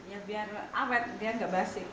ya biar awet biar gak basik